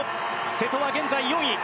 瀬戸は現在４位。